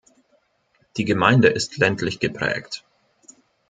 Die Gemeinde ist ländlich geprägt.